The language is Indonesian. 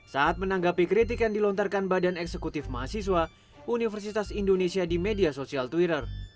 saat menanggapi kritik yang dilontarkan badan eksekutif mahasiswa universitas indonesia di media sosial twitter